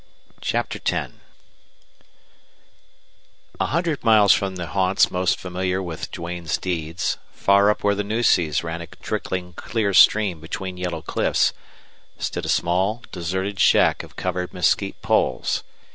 CHAPTER X A hundred miles from the haunts most familiar with Duane's deeds, far up where the Nueces ran a trickling clear stream between yellow cliffs, stood a small deserted shack of covered mesquite poles.